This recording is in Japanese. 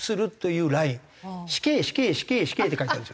「死刑死刑死刑死刑」って書いてあるんですよ。